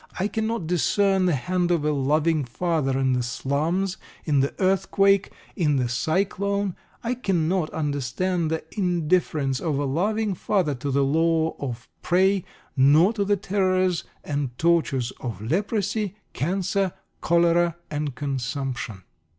I cannot discern the hand of a loving Father in the slums, in the earthquake, in the cyclone. I cannot understand the indifference of a loving Father to the law of prey, nor to the terrors and tortures of leprosy, cancer, cholera, and consumption.